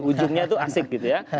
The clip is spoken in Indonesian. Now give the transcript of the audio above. ujungnya itu asik gitu ya